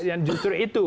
yang justru itu